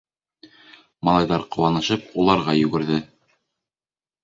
Малайҙар, ҡыуанышып, уларға йүгерҙе.